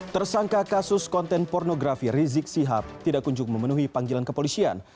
tersangka kasus konten pornografi rizik sihab tidak kunjung memenuhi panggilan kepolisian